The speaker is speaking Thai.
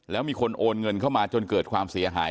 แล้วมีคนโอนเงินเข้ามาจนเกิดความเสียหาย